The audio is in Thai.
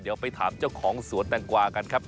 เดี๋ยวไปถามเจ้าของสวนแตงกวากันครับ